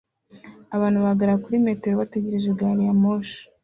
Abantu bahagarara kuri metero bategereje gari ya moshi